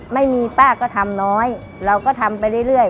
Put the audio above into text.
ไม่มีป้าก็ทำน้อยเราก็ทำไปเรื่อย